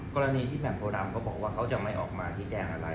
กรณีในแหมกโทรดำก็บอกว่าเค้าจะไม่ออกมาที่แจ้งอะไร